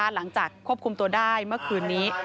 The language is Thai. หลังจากควบคุมตัวได้เมื่อคืนนี้